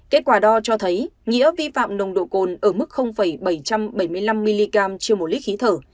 kết quả đo cho thấy nghĩa vi phạm nồng độ cồn ở mức bảy trăm bảy mươi năm mg trên một lít khí thở